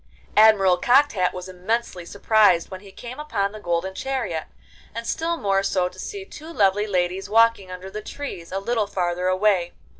Admiral Cocked Hat was immensely surprised when he came upon the golden chariot, and still more so to see two lovely ladies walking under the trees a little farther away.